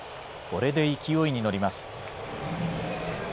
これで勢いに乗ります。